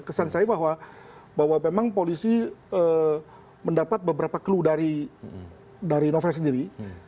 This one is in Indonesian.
kesan saya bahwa memang polisi mendapat beberapa clue dari novel sendiri